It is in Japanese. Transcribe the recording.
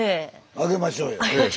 あげましょうよ。